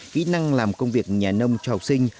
kỹ năng làm công việc nhà nông cho học sinh